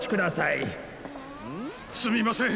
すみません。